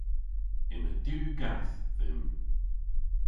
Yma diw gath dhymm.